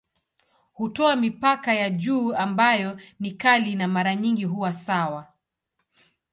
Hutoa mipaka ya juu ambayo ni kali na mara nyingi huwa sawa.